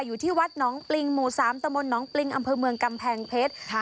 อยู่ที่วัดหนองปริงหมู่สามตะมนตน้องปริงอำเภอเมืองกำแพงเพชร